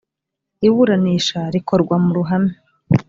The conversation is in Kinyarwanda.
iburanisha rikorwa mu ruhame